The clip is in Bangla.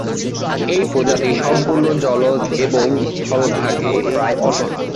এই প্রজাতি সম্পূর্ণ জলজ এবং স্থলভাগে প্রায় অসহায়।